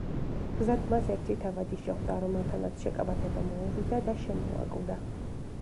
გზად მას ერთი თავადი შეხვდა რომელთანაც შეკამათება მოუვიდა და შემოაკვდა.